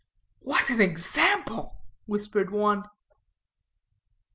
"What an example," whispered one.